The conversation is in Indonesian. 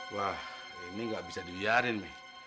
wah ini gak bisa dibiarin mi